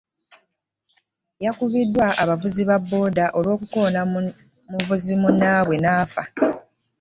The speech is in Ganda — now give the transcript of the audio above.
Yakubiddwa abavuzi ba booda olw'okukoona muvuzi munnaaabwe n'afa.